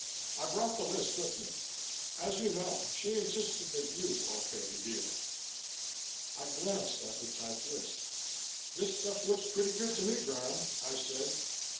I've brought the list with me. As you know, she insisted that you okay the deal." I glanced at the typed list. "This stuff looks pretty good to me, Graham," I said.